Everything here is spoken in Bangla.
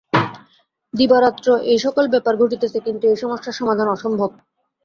দিবারাত্র এই-সকল ব্যাপার ঘটিতেছে, কিন্তু এই সমস্যার সমাধান অসম্ভব।